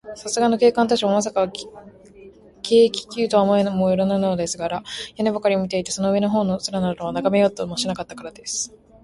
さすがの警官たちも、まさか、軽気球とは思いもよらぬものですから、屋根ばかりを見ていて、その上のほうの空などは、ながめようともしなかったからです。